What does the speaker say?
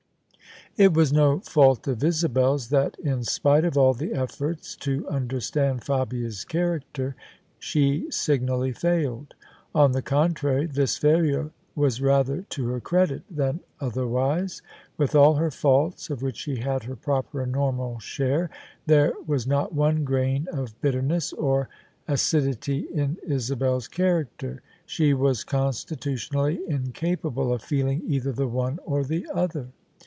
It was no fault of Isabel's that in spite of all the efforts to understand Fabia's character, she signally failed; on the contrary, this failure was rather to her credit than other wise. With all her faults— of which she had her proper and normal share — there was not one grain of bitterness or acid ity in Isabel's character: she was constitutionally incapable of feeling either the one or the other.